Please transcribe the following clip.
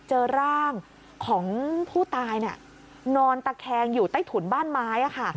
เจอร่างของผู้ตายนอนตะแคงอยู่ใต้ถุนบ้านไม้ค่ะ